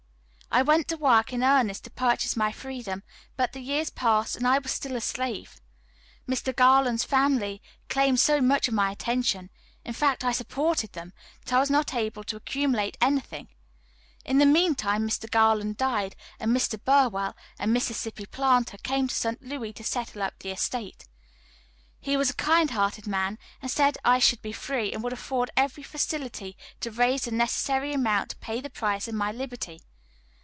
I went to work in earnest to purchase my freedom, but the years passed, and I was still a slave. Mr. Garland's family claimed so much of my attention in fact, I supported them that I was not able to accumulate anything. In the mean time Mr. Garland died, and Mr. Burwell, a Mississippi planter, came to St. Louis to settle up the estate. He was a kind hearted man, and said I should be free, and would afford me every facility to raise the necessary amount to pay the price of my liberty.